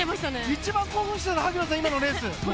一番興奮していたの萩野選手、今のレース。